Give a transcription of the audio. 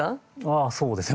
あそうですね。